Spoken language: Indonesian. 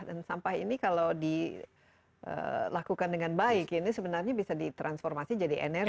dan sampah ini kalau dilakukan dengan baik ini sebenarnya bisa ditransformasi jadi energi